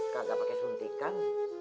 kagak pake suntikan